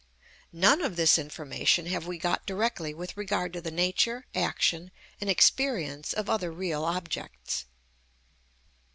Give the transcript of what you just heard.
None of this information have we got directly with regard to the nature, action, and experience of other real objects.